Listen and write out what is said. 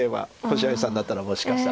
星合さんだったらもしかしたら。